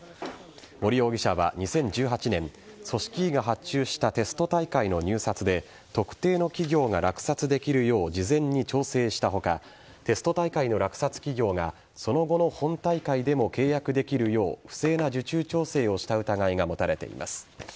森容疑者は２０１８年組織委が発注したテスト大会の入札で特定の企業が落札できるよう事前に調整した他テスト大会の落札企業がその後の本大会でも契約できるよう不正な受注調整をした疑いが持たれています。